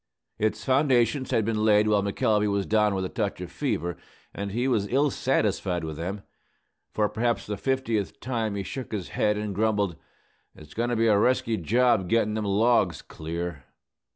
Its foundations had been laid while McElvey was down with a touch of fever, and he was ill satisfied with them. For perhaps the fiftieth time, he shook his head and grumbled, "It's goin' to be a resky job gittin' them logs clear."